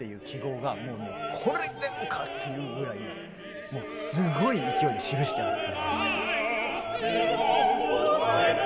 これでもかっていうぐらいもうすごい勢いで記してある。